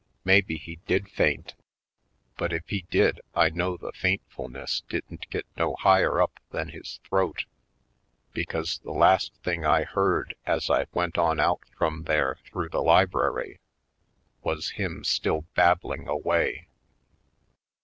Maybe he did faint, but if he did, I know the f aintfulness didn't get no higher up than his throat, because the last thing I heard as I went on out from there through the library, w^as him still babbling away.